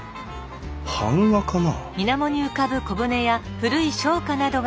版画かな？